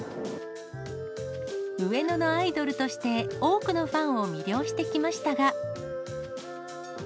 上野のアイドルとして多くのファンを魅了してきましたが。